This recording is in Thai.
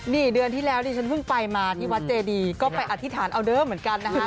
นี่เดือนที่แล้วดิฉันเพิ่งไปมาที่วัดเจดีก็ไปอธิษฐานเอาเดิมเหมือนกันนะคะ